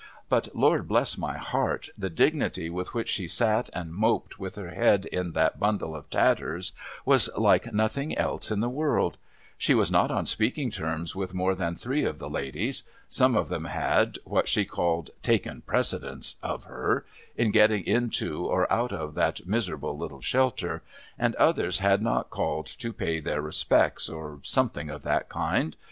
But, Lord bless my heart, the dignity with which she sat and moped, with her head in that bundle of tatters, was like nothing else in the world ! She was not on speaking terms with more than three of the ladies. Some of them had, what she called, ' taken precedence ' of her — in getting into, or out of, that miserable httle shelter !— and others had not called to pay their respects, or something of that kind.